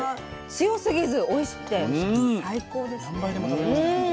強すぎずおいしくて最高ですね。